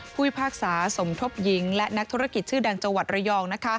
พิพากษาสมทบหญิงและนักธุรกิจชื่อดังจังหวัดระยอง